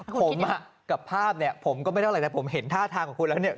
ผมกับภาพผมก็ไม่ได้อะไรแต่ผมเห็นท่าทางของคุณแล้ว